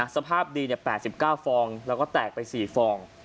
สภาพดี๘๙ฟองแล้วก็แตกไป๔ฟอง